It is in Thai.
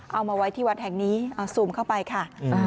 เอามาไว้ที่วัดแห่งนี้เอาซูมเข้าไปค่ะ